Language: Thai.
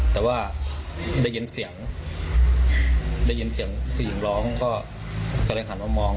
แต่ว่าได้ยินเสียงได้ยินเสียงผู้หญิงร้องก็เลยหันมามอง